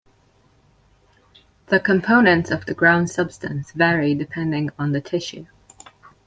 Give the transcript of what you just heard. The components of the ground substance vary depending on the tissue.